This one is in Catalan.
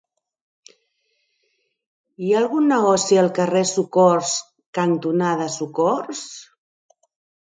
Hi ha algun negoci al carrer Socors cantonada Socors?